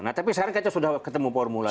nah tapi sekarang kita sudah ketemu formula